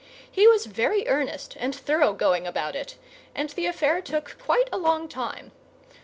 He was very earnest and thoroughgoing about it, and the affair took quite a long time.